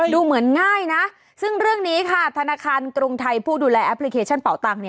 ดูเหมือนง่ายนะซึ่งเรื่องนี้ค่ะธนาคารกรุงไทยผู้ดูแลแอปพลิเคชันเป่าตังค